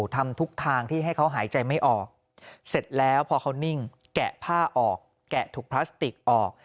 ทำทุกทางที่ให้เขาหายใจไม่ออกเสร็จแล้วพอเขานิ่งแกะผ้าออกแกะถุงพลาสติกออก